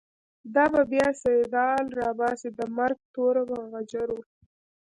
دابه بیا “سیدال” راباسی، دمرګ توره په غجرو